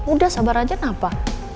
udah sabar aja kenapa